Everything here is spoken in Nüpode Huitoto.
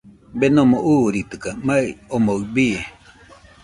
Denomo uuritɨkaɨ, mai omoɨ bii.